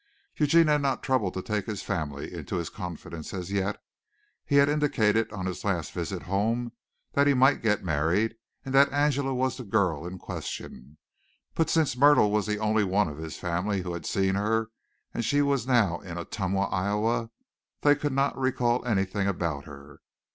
Eugene had not troubled to take his family into his confidence as yet. He had indicated on his last visit home that he might get married, and that Angela was the girl in question, but since Myrtle was the only one of his family who had seen her and she was now in Ottumwa, Iowa, they could not recall anything about her.